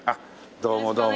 どうもどうも。